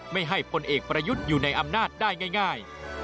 ไม่ให้พลเอกประยุทธ์อยู่ในอำนาจได้ง่าย